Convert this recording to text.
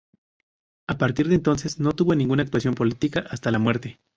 A partir de entonces, no tuvo ninguna actuación política hasta la muerte.